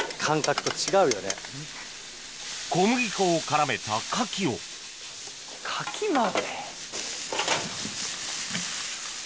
小麦粉を絡めた牡蠣を牡蠣まで。